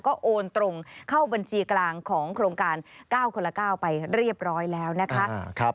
ก็โอนตรงเข้าบัญชีกลางของโครงการ๙คนละ๙ไปเรียบร้อยแล้วนะคะ